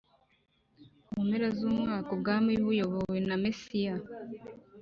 mu mpera z umwaka ubwami buyobowe na mesiya